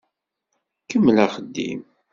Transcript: Kemmel axeddim!